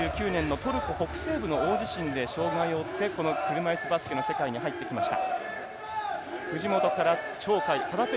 トルコ北西部の大地震で障がいを負って車いすの世界に入ってきました。